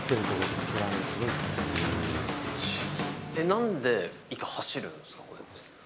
なんで一回走るんですか？